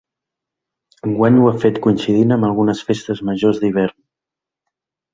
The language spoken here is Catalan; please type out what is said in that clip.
Enguany ho ha fet coincidint amb algunes festes majors d’hivern.